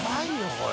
これ。